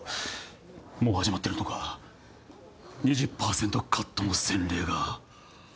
もう始まってるのか２０％カットの洗礼が。